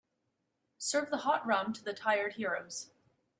Serve the hot rum to the tired heroes.